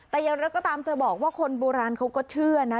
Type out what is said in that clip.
แต่อย่างไรก็ตามเธอบอกว่าคนโบราณเขาก็เชื่อนะ